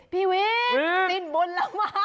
พี่วิทย์สิ้นบุญแล้วมา